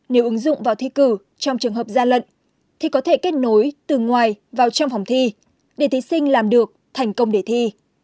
nếu ứng dụng vào thi cử trong trường hợp gian lận thì có thể kết nối từ ngoài vào trong phòng thi để thí sinh làm được thành công đề thi